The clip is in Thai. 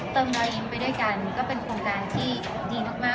รอยยิ้มไปด้วยกันก็เป็นโครงการที่ดีมาก